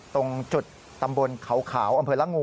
ตรงจุดตำบลเขาขาวอำเภอละงู